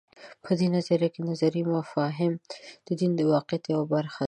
په دې نظریه کې نظري مفاهیم د دین د واقعیت یوه برخه ده.